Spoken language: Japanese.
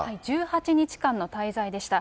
１８日間の滞在でした。